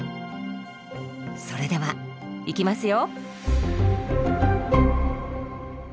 それではいきますよ！